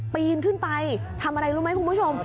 ปีนขึ้นไปทำอะไรรู้ไหมคุณผู้ชม